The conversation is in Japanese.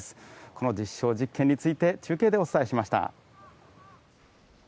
この実証実験について、中継でお伝えしました。